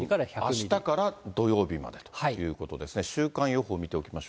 あしたから土曜日までということですね。